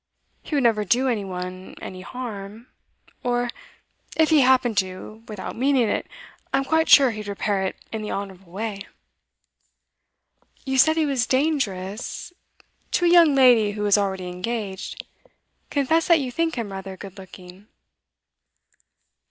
He would never do any one any harm or, if he happened to, without meaning it, I'm quite sure he'd repair it in the honourable way.' 'You said he was dangerous ' 'To a young lady who is already engaged. Confess that you think him rather good looking.